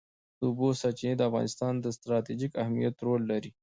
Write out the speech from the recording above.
د اوبو سرچینې د افغانستان په ستراتیژیک اهمیت کې رول لري.